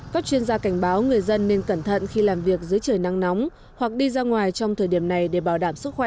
các chuyên gia cảnh báo người dân nên cẩn thận khi làm việc dưới trời nắng nóng hoặc đi ra ngoài trong thời điểm này để bảo đảm sức khỏe